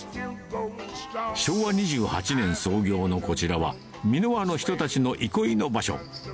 昭和２８年創業のこちらは、三ノ輪の人たちの憩いの場所。